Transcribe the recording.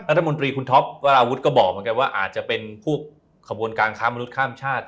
รัฐมนตรีคุณท็อปวราวุฒิก็บอกเหมือนกันว่าอาจจะเป็นพวกขบวนการค้ามนุษย์ข้ามชาติ